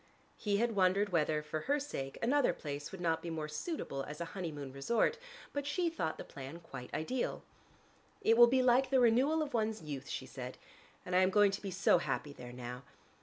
He had wondered whether, for her sake, another place would not be more suitable as a honeymoon resort, but she thought the plan quite ideal. "It will be like the renewal of one's youth," she said, "and I am going to be so happy there now.